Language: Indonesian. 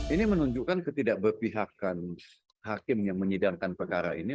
ini menunjukkan ketidakberpihakan hakim yang menyidangkan perkara ini